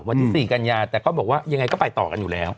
วันที่๔กันยาแต่ก็บอกว่ายังไงก็ไปต่อกันอยู่แล้ว